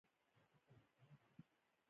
آیا د وطن لپاره سر ورکول افتخار نه دی؟